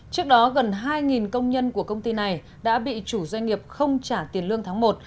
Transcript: trước đó gần hai công nhân của công ty này đã bị chủ doanh nghiệp không trả tiền lương tháng một